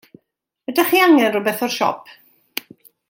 Ydach chi angen r'wbath o'r siop?